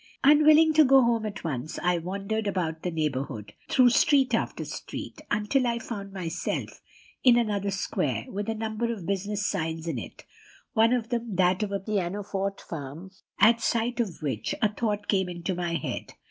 "Unwilling to go home at once, I wandered about the neighborhood, through street after street, until I found myself in another square, with a number of business signs in it, one of them that of a piano forte firm, at sight of which, a thought came into my head.